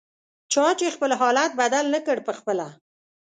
چا چې خپل حالت بدل نکړ پخپله